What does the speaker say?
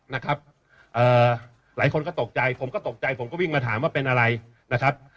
นะครับเอ่อหลายคนก็ตกใจผมก็ตกใจผมก็วิ่งมาถามว่าเป็นอะไรนะครับ